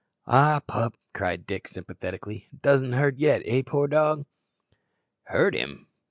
"Ah, pup!" cried Dick, sympathetically, "does't hurt ye, eh, poor dog?" Hurt him?